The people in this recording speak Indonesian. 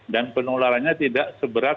dan penularannya tidak seberat